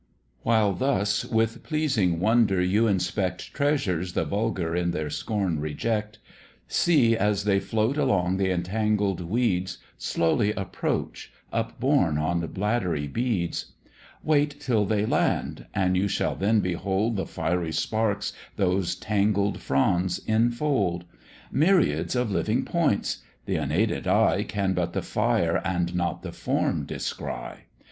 While thus with pleasing wonder you inspect Treasures the vulgar in their scorn reject, See as they float along th' entangled weeds Slowly approach, upborne on bladdery beads; Wait till they land, and you shall then behold The fiery sparks those tangled fronds infold, Myriads of living points; th' unaided eye Can but the fire and not the form descry.